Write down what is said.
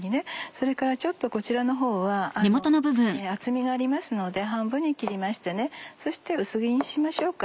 それからこちらのほうは厚みがありますので半分に切りましてそして薄切りにしましょうか。